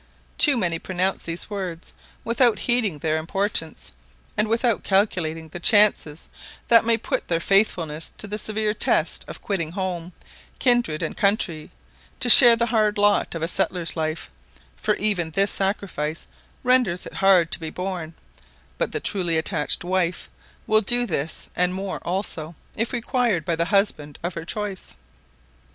Too many pronounce these words without heeding their importance, and without calculating the chances that may put their faithfulness to the severe test of quitting home, kindred, and country, to share the hard lot of a settler's life; for even this sacrifice renders it hard to be borne; but the truly attached wife will do this, and more also, if required by the husband of her choice.